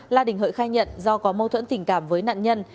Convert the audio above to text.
la đình hợi khai nhận do có mâu thuẫn tình cảm với nạn nhân